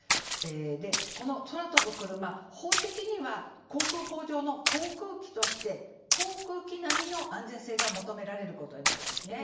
この空飛ぶクルマ、法的には航空法上の航空機として航空機並みの安全性が求められることになるんです。